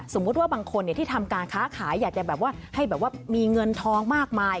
สมมุติว่าบางคนที่ทำการค้าขายอยากจะแบบว่าให้แบบว่ามีเงินทองมากมาย